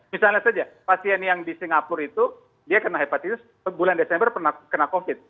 misalnya saja pasien yang di singapura itu dia kena hepatitis bulan desember pernah kena covid